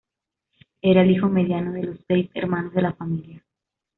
Era el hijo mediano de los seis hermanos de la familia.